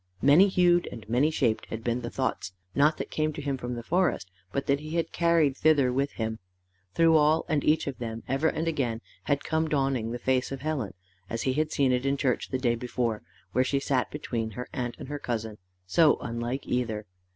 Many hued and many shaped had been the thoughts, not that came to him from the forest, but that he had carried thither with him: through all and each of them, ever and again had come dawning the face of Helen, as he had seen it in church the day before, where she sat between her aunt and her cousin, so unlike either.